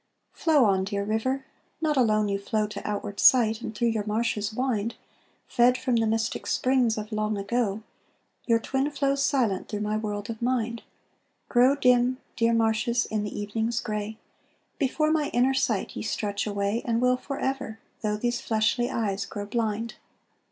Flow on, dear river! not alone you flow To outward sight, and through your marshes wind; Fed from the mystic springs of long ago, Your twin flows silent through my world of mind: Grow dim, dear marshes, in the evening's gray! Before my inner sight ye stretch away, And will forever, though these fleshly eyes grow blind.